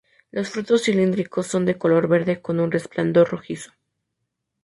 Los frutos cilíndricos son de color verde con un resplandor rojizo.